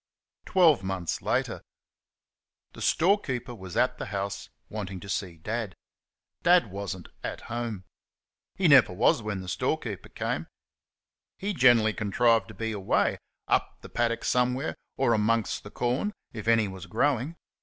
Twelve months later. The storekeeper was at the house wanting to see Dad. Dad was n't at home. He never was when the storekeeper came; he generally contrived to be away, up the paddock somewhere or amongst the corn if any was growing.